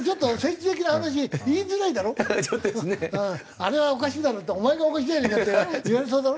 「あれはおかしいだろ」って「お前がおかしいじゃねえか」って言われそうだろ？